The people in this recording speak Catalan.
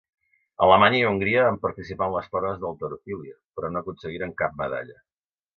Alemanya i Hongria van participar en les proves d'halterofília, però no aconseguiren cap medalla.